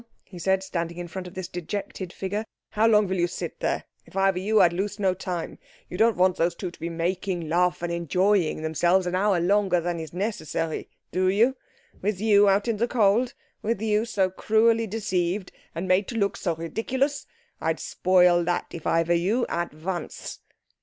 he said, standing in front of this dejected figure. "How long will you sit there? If I were you I'd lose no time. You don't want those two to be making love and enjoying themselves an hour longer than is necessary, do you? With you out in the cold? With you so cruelly deceived? And made to look so ridiculous? I'd spoil that if I were you, at once."